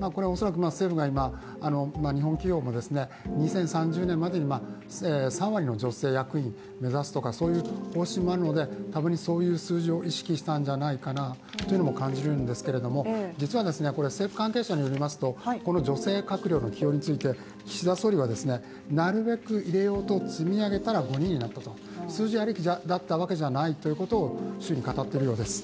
恐らく政府が今、日本企業も２０３０年までに３割の女性役員を目指すとかそういう方針もあるので、多分にそういう数字を意識したんじゃないかなと感じるんですが実は政府関係者によりますとこの女性閣僚の起用について岸田総理はなるべく入れようと積み上げたたら５人になったと数字ありきだったわけじゃないということを周囲に語っているようです。